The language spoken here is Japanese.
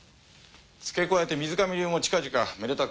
付け加えて水上流も近々めでたく